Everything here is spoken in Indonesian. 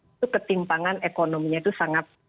itu ketimpangan ekonominya itu sangat